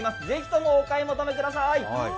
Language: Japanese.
ぜひともお買い求めください。